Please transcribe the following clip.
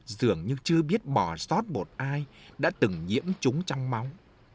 dường như chưa biết bỏ sót một ai đã từng nhiễm chúng trong máu